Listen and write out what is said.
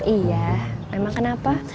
iya emang kenapa